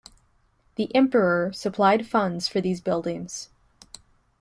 The emperor supplied funds for these buildings.